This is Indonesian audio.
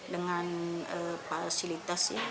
dengan fasilitas ya